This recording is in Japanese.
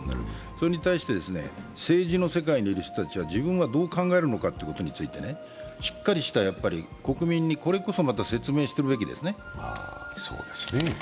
それに対して政治の世界にいる人たちは自分はどう考えるのかについてしっかりした国民にこれこそ説明していくべきですね。